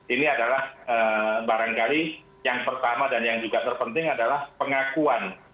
ini adalah barangkali yang pertama dan yang juga terpenting adalah pengakuan